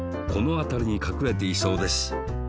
このあたりにかくれていそうです。